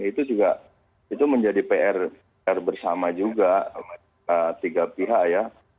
itu juga itu menjadi pr bersama juga tiga pihak ya